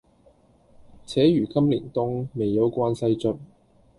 且如今年冬，未休關西卒。